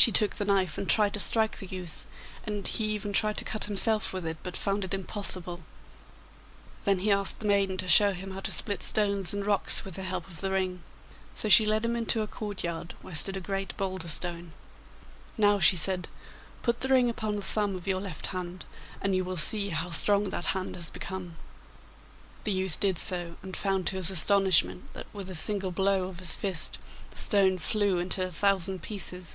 She took the knife and tried to strike the youth, and he even tried to cut himself with it, but found it impossible. Then he asked the maiden to show him how to split stones and rocks with the help of the ring. So she led him into a courtyard where stood a great boulder stone. 'Now,' she said, 'put the ring upon the thumb of your left hand, and you will see how strong that hand has become. The youth did so, and found to his astonishment that with a single blow of his fist the stone flew into a thousand pieces.